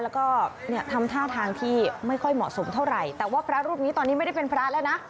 แล้วก็เนี่ยทำท่าทางที่ไม่ค่อยเหมาะสมเท่าไหร่แต่ว่าพระรูปนี้ตอนนี้ไม่ได้เป็นพระแล้วนะ